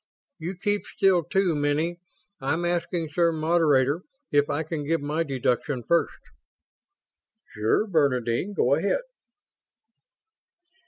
"You keep still, too, Miney. I'm asking, Sir Moderator, if I can give my deduction first?" "Sure, Bernadine; go ahead."